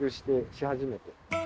し始めて。